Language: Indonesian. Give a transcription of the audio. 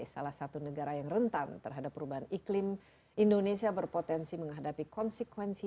salah satu negara yang rentan terhadap perubahan iklim indonesia berpotensi menghadapi konsekuensi